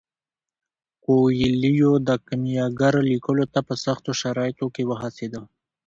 کویلیو د کیمیاګر لیکلو ته په سختو شرایطو کې وهڅید.